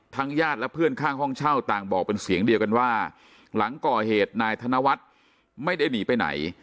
ญาติและเพื่อนข้างห้องเช่าต่างบอกเป็นเสียงเดียวกันว่าหลังก่อเหตุนายธนวัฒน์ไม่ได้หนีไปไหน